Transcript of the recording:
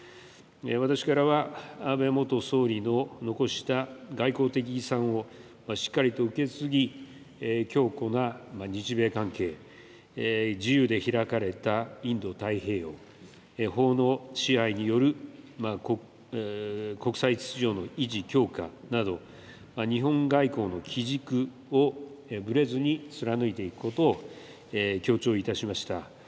私からは、安倍元総理の残した外交的遺産をしっかりと受け継ぎ、強固な日米関係、自由で開かれたインド太平洋、法の支配による国際秩序の維持強化など、日本外交の基軸をぶれずに貫いていくことを強調いたしました。